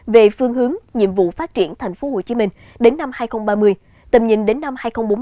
về phương hướng nhiệm vụ phát triển tp hcm đến năm hai nghìn ba mươi tầm nhìn đến năm hai nghìn bốn mươi năm